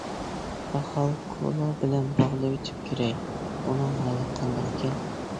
پاخال كۇلا بىلەن باغلىۋېتىپ كىرەي، ئۇنىڭ ھالى قانداقكىن؟ !